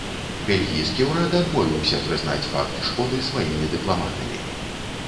Бельгійскі ўрад адмовіўся прызнаць факт шкоды сваімі дыпламатамі.